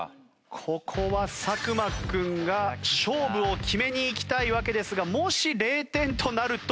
ここは作間君が勝負を決めにいきたいわけですがもし０点となると。